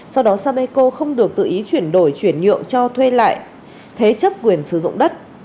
sau đó sapeco không được tự ý chuyển đổi chuyển nhượng cho thuê lại thế chấp quyền sử dụng đất